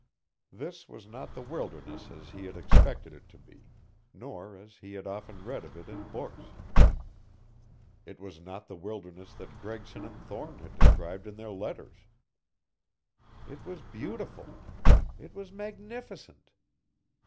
This was not the wilderness as he had expected it to be, nor as he had often read of it in books. It was not the wilderness that Gregson and Thorne had described in their letters. It was beautiful! It was magnificent!